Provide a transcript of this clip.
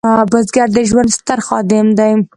بزګر د ژوند ستر خادم دی